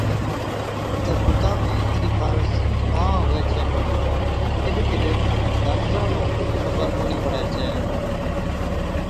تہ بُتا ۾ اِترِي خارس ڪان هُوَي ڇَي پلِي۔ ڪِڏ ڪِڏ ڊاڪٽرا نُون خبر ڪونهِي پڙَي ڇَي،